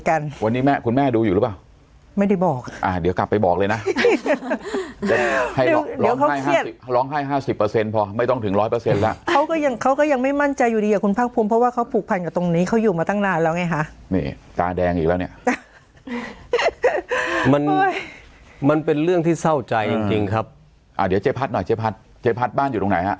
กันวันนี้แม่คุณแม่ดูอยู่หรือเปล่าไม่ได้บอกอ่าเดี๋ยวกลับไปบอกเลยนะล้องให้ห้าสิบเปอร์เซ็นต์พอไม่ต้องถึงร้อยเปอร์เซ็นต์แล้วเขาก็ยังเขาก็ยังไม่มั่นใจอยู่ดีกับคุณภาคภูมิเพราะว่าเขาผูกผ่านกับตรงนี้เขาอยู่มาตั้งนานแล้วไงฮะนี่ตาแดงอีกแล้วเนี่ยมันมันเป็นเรื่องที่เศร้าใจจริงครั